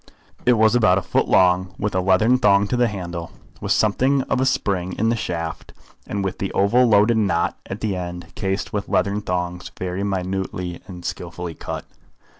It was about a foot long, with a leathern thong to the handle, with something of a spring in the shaft, and with the oval loaded knot at the end cased with leathern thongs very minutely and skilfully cut.